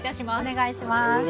お願いします。